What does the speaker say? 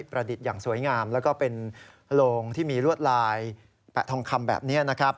ประดิษฐ์อย่างสวยงามและก็เป็นโรงที่มีรวดลายแปะทองคำแบบนี้